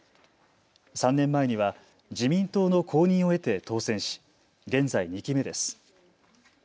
３年前には自民党の公認を得て当選し現在、２期目です。